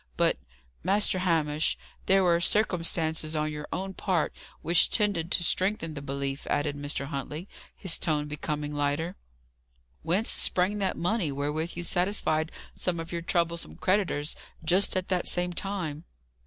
But, Master Hamish, there were circumstances on your own part which tended to strengthen the belief," added Mr. Huntley, his tone becoming lighter. "Whence sprang that money wherewith you satisfied some of your troublesome creditors, just at that same time?"